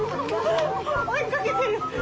追いかけてる。